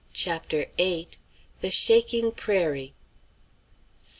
CHAPTER VIII. THE SHAKING PRAIRIE.